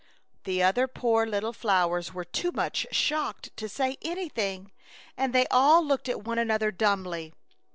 The other poor little flowers were too much shocked to say anything, and they all looked at one another dumbly.